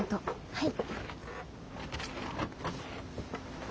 はい！